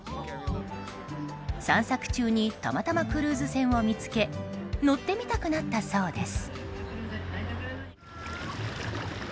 散策中にたまたまクルーズ船を見つけ乗ってみたくなったそうです。